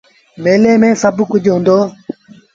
ميلي مييٚن سڀ ڪجھ هُݩدو۔